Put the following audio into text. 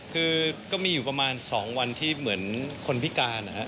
คือก็มีอยู่ประมาณ๒วันที่เหมือนคนพิการนะครับ